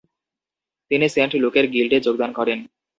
তিনি সেন্ট লুকের গিল্ডে যোগদান করেন।